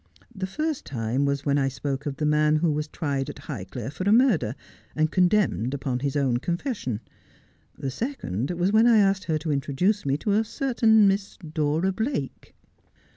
The first time was when I spoke of the man who was tried at Highclere for a murder, and condemned upon his own confession. The second was when I asked her to introduce me to a certain Miss Dora Blake.'